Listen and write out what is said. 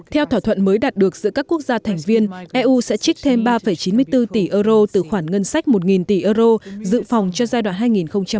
theo thỏa thuận mới đạt được giữa các quốc gia thành viên eu sẽ trích thêm ba chín mươi bốn tỷ euro từ khoản ngân sách một tỷ euro dự phòng cho giai đoạn hai nghìn hai mươi